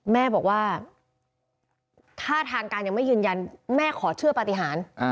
แม่บอกว่าถ้าทางการยังไม่ยืนยันแม่ขอเชื่อปฏิหาร